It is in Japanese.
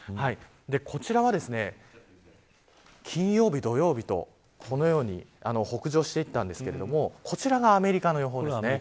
こちらは金曜日、土曜日とこのように北上していったんですけれどもこちらがアメリカの予報ですね。